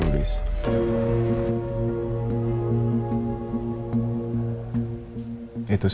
disurat yang saya tulis